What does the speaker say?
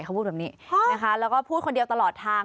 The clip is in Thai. เขาพูดแบบนี้นะคะแล้วก็พูดคนเดียวตลอดทาง